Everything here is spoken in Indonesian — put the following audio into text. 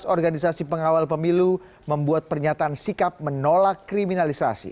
dua belas organisasi pengawal pemilu membuat pernyataan sikap menolak kriminalisasi